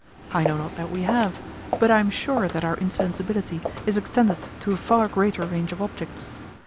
I know not that we have; but I am sure that our insensibility is extended to a far greater range of objects.